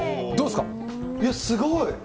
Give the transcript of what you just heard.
いや、すごい。